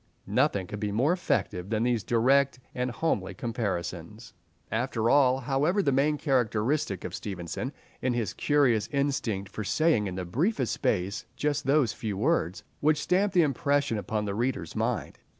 Nothing could be more effective than these direct and homely comparisons. After all, however, the main characteristic of Stevenson is his curious instinct for saying in the briefest space just those few words which stamp the impression upon the reader's mind.